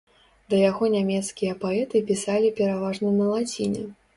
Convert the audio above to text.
Да яго нямецкія паэты пісалі пераважна на лаціне.